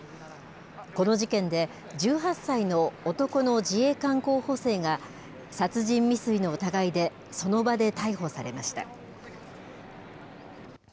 この事件で、１８歳の男の自衛官候補生が、殺人未遂の疑いで、その場で逮捕されました。